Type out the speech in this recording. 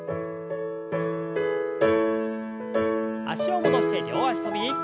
脚を戻して両脚跳び。